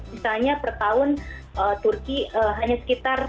misalnya per tahun turki hanya sekitar